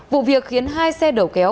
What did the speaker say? vụ việc khiến hai xe đầu kéo